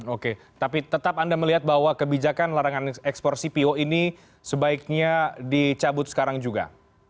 oke tapi tetap anda melihat bahwa kebijakan larangan ekspor cpo ini sebaiknya dicabut sekarang juga